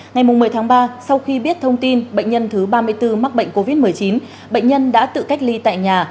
ngày một mươi tháng ba sau khi biết thông tin bệnh nhân thứ ba mươi bốn mắc bệnh covid một mươi chín bệnh nhân đã tự cách ly tại nhà